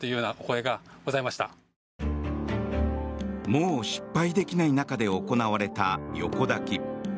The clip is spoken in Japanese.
もう失敗できない中で行われた横抱き。